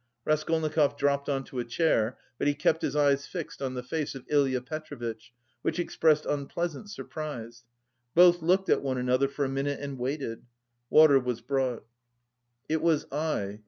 Raskolnikov dropped on to a chair, but he kept his eyes fixed on the face of Ilya Petrovitch, which expressed unpleasant surprise. Both looked at one another for a minute and waited. Water was brought. "It was I..."